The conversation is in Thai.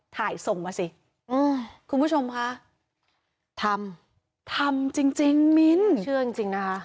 ถ่ายส่งมาสิอืมคุณผู้ชมค่ะทำทำจริงจริงมิ้นเชื่อจริงจริงนะคะ